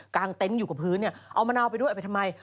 กางเต็นต์อยู่กับพื้นเอามะนาวไปด้วยไปทำไม